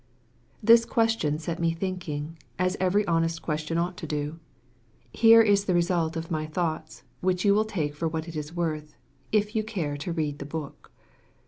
'' This question set me thinking, as every honest question ought to do. Here is the result of my thouglhts, which you will take for what it is worth, if you care to read the book.